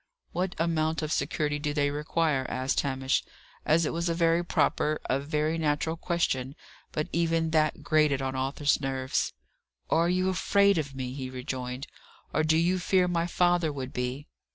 "What amount of security do they require?" asked Hamish. And it was a very proper, a very natural question; but even that grated on Arthur's nerves. "Are you afraid of me?" he rejoined. "Or do you fear my father would be?"